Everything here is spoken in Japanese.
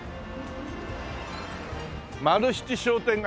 「丸七商店街」。